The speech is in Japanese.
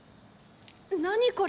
何これ！